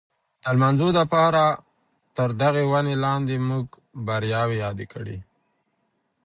د لمانځلو دپاره تر دغي وني لاندي موږ بریاوې یادې کړې.